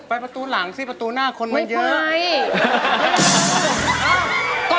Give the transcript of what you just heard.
ประตูหลังสิประตูหน้าคนมันเยอะ